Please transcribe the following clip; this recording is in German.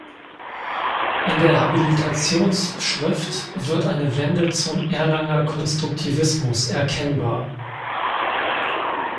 In der Habilitationsschrift wird eine Wende zum Erlanger Konstruktivismus erkennbar.